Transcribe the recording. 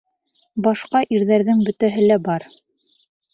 Башҡа ирҙәрҙең бөтәһе лә бар.